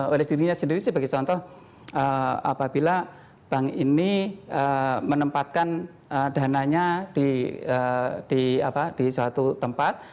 oleh dirinya sendiri sebagai contoh apabila bank ini menempatkan dananya di suatu tempat